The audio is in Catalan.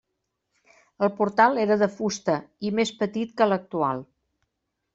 El portal era de fusta i més petit que l'actual.